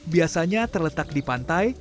biasanya terletak di pantai